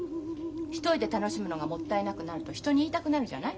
１人で楽しむのがもったいなくなると人に言いたくなるじゃない？